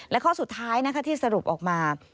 และข้อสุดท้ายที่สรุปออกมา